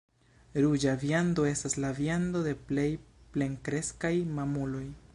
Ruĝa viando estas la viando de plej plenkreskaj mamuloj.